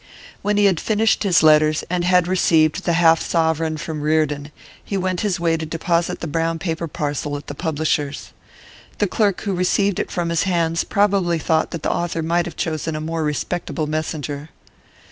When he had finished his letters, and had received the half sovereign from Reardon, he went his way to deposit the brown paper parcel at the publishers'. The clerk who received it from his hands probably thought that the author might have chosen a more respectable messenger.